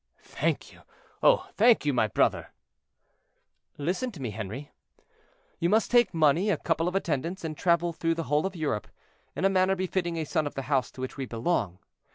"Thank you, oh! thank you, my brother." "Listen to me, Henri. You must take money, a couple of attendants, and travel through the whole of Europe, in a manner befitting a son of the house to which we belong.